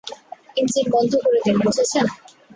Engine বন্ধ করে দিন, বুঝেছেন?